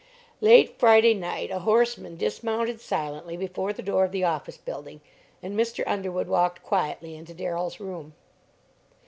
Late Friday night a horseman dismounted silently before the door of the office building and Mr. Underwood walked quietly into Darrell's room.